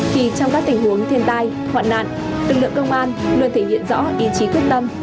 thì trong các tình huống thiền tài hoạn nạn tương lượng công an luôn thể hiện rõ ý chí quyết tâm